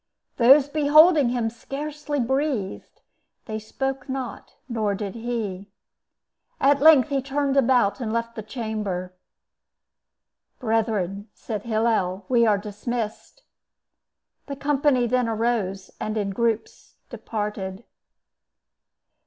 Those beholding him scarcely breathed; they spoke not, nor did he. At length he turned about and left the chamber. "Brethren," said Hillel, "we are dismissed." The company then arose, and in groups departed.